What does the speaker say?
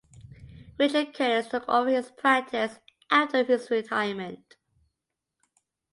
Richard Curtis took over his practice after his retirement.